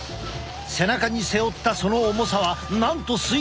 背中に背負ったその重さはなんと推定３０キロ！